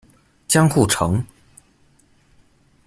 江户城。